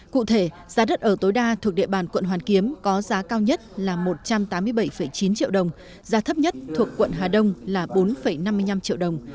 cụ thể giá đất ở tối đa thuộc địa bàn quận hoàn kiếm có giá cao nhất là một trăm tám mươi bảy chín triệu đồng giá thấp nhất thuộc quận hà đông là bốn năm mươi năm triệu đồng